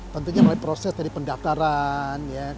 tentunya melalui proses dari pendaftaran